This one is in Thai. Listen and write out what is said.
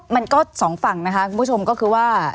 มันก็สองฝั่งนะคะคุณผู้ชมก็คือว่า